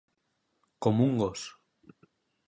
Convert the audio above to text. Com un gos.